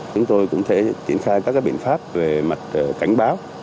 chúng tôi cũng sẽ triển khai các biện pháp về mặt cảnh báo